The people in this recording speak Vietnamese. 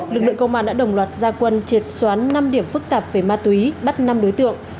lực lượng công an đã đồng loạt gia quân triệt xóa năm điểm phức tạp về ma túy bắt năm đối tượng